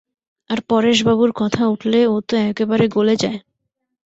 আর পরেশবাবুর কথা উঠলে ও তো একেবারে গলে যায়।